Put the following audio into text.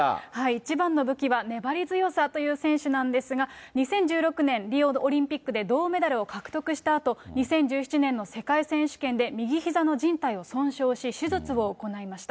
一番の武器は粘り強さという選手なんですが、２０１６年、リオオリンピックで銅メダルを獲得したあと、２０１７年の世界選手権で右ひざのじん帯を損傷し、手術を行いました。